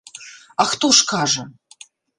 А хто ж кажа.